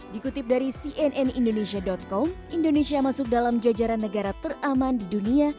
dikutip dari cnn indonesia com indonesia masuk dalam jajaran negara teraman di dunia